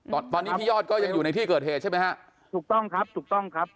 ตอนนี้พี่ยอดก็ยังอยู่ในที่เกิดเหตุใช่ไหมฮะถูกต้องครับถูกต้องครับ